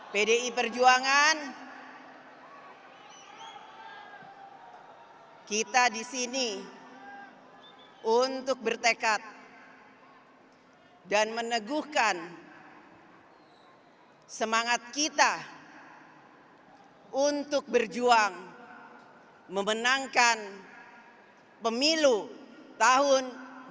pdi perjuangan kita di sini untuk bertekad dan meneguhkan semangat kita untuk berjuang memenangkan pemilu tahun dua ribu dua puluh empat